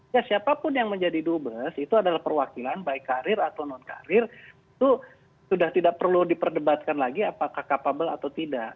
ya siapapun yang menjadi dubes itu adalah perwakilan baik karir atau non karir itu sudah tidak perlu diperdebatkan lagi apakah capable atau tidak